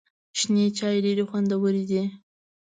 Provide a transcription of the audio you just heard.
شنې چای ډېري خوندوري دي .